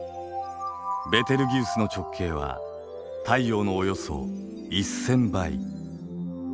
ベテルギウスの直径は太陽のおよそ１，０００倍。